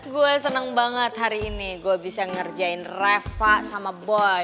gue senang banget hari ini gue bisa ngerjain reva sama boy